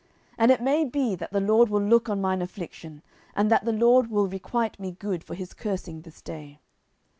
10:016:012 It may be that the LORD will look on mine affliction, and that the LORD will requite me good for his cursing this day.